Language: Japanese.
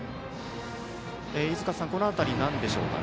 飯塚さん、この辺りはなんでしょうか。